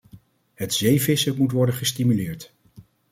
Het zeevissen moet worden gestimuleerd.